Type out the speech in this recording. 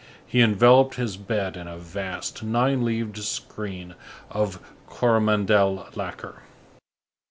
He enveloped his bed in a vast, nine leaved screen of Coromandel lacquer.